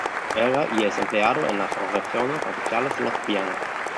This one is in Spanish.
Era y es empleado en las oraciones oficiales de los viernes.